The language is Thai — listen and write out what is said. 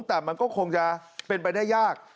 แต่มันก็คงจะเป็นไปได้ยาก